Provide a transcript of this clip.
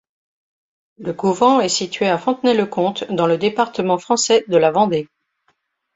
Le couvent est situé à Fontenay-le-Comte, dans le département français de la Vendée.